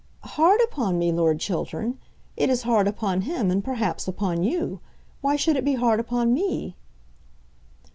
"Hard upon me, Lord Chiltern! It is hard upon him, and, perhaps, upon you. Why should it be hard upon me?"